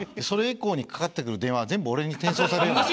それ以降にかかってくる電話は全部俺に転送される。